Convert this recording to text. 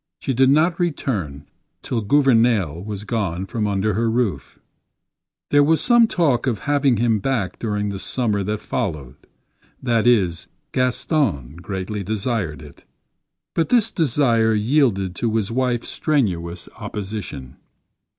She did not return till Gouvernail was gone from under her roof. There was some talk of having him back during the summer that followed. That is, Gaston greatly desired it; but this desire yielded to his wife's strenuous opposition.